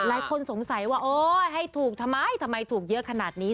หลายคนสงสัยว่าโอ๊ยให้ถูกทำไมทำไมถูกเยอะขนาดนี้